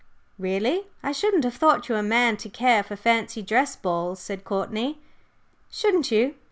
"Really! I shouldn't have thought you a man to care for fancy dress balls," said Courtney. "Shouldn't you?